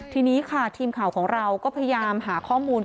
ทีนี้ค่ะทีมข่าวของเราก็พยายามหาข้อมูล